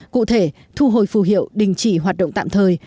cụ thể thu hồi phù hiệu đình chỉ hoạt động tạm thời